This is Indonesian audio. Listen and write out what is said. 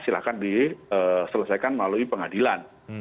silakan diselesaikan melalui pengadilan